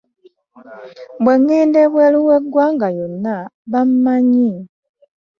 Bwe ŋŋenda ebweru w'eggwanga yonna bammanyi.